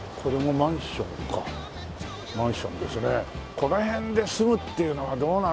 この辺で住むっていうのはどうなんだろう？